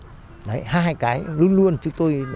hai cái luôn luôn chúng tôi